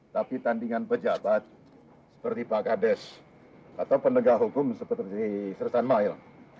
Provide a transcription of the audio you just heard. tapi tandingan pejabat seperti pak gades atau penegak hukum seperti di sersanmail